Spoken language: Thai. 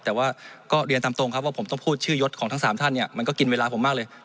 แต่ว่าก็เรียนตามตรงครับว่าผมต้องพูดชื่อยศของทั้ง๓ท่านเนี่ยมันก็กินเวลาผมมากเลย